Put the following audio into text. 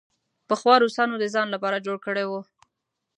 پخوا روسانو د ځان لپاره جوړ کړی وو.